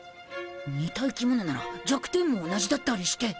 似た生き物なら弱点も同じだったりして。